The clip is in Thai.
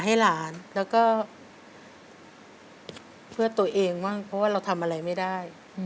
ให้หลานแล้วก็เพื่อตัวเองบ้างเพราะว่าเราทำอะไรไม่ได้